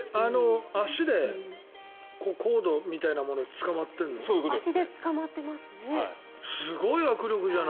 足でコードみたいなものに足でつかまってますね。